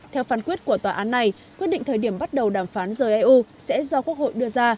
theo phán quyết của tòa án này quyết định thời điểm bắt đầu đàm phán rời eu sẽ do quốc hội đưa ra